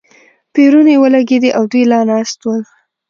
پېرونی ولګېدې او دوی لا ناست ول.